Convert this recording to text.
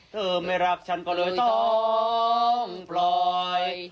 เธอไม่รักฉันก็เลยต้องปล่อย